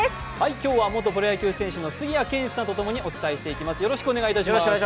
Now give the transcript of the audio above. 今日は元プロ野球選手の杉谷拳士さんとともにお伝えしていきます。